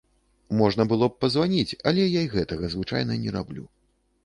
Можна было б пазваніць, але я і гэтага звычайна не раблю.